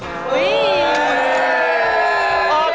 เฮ้ย